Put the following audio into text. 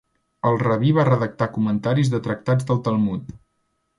El rabí va redactar comentaris de tractats del Talmud.